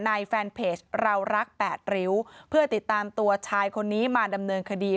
แฟนเพจเรารักแปดริ้วเพื่อติดตามตัวชายคนนี้มาดำเนินคดี